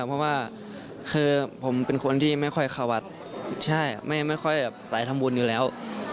เพราะว่าคือผมเป็นคนที่ไม่ค่อยเข้าวัดใช่ไม่ค่อยแบบสายทำบุญอยู่แล้ว